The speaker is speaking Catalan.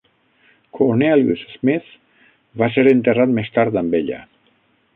Cornelius Smith va ser enterrat més tard amb ella.